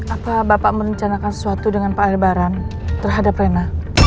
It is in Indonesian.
apa bapak merencanakan sesuatu dengan pak lebaran terhadap rena